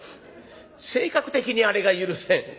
性格的にあれが許せん。